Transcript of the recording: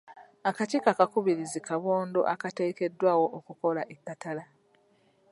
Akakiiko akakubirizi kabondo akateekeddwawo okukola ekkatala.